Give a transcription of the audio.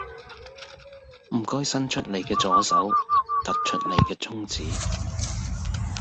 唔該伸出你嘅左手，突出你嘅中指